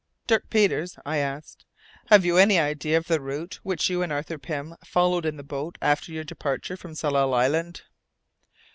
"Dirk Peters," I asked, "have you any idea of the route which you and Arthur Pym followed in the boat after your departure from Tsalal Island?"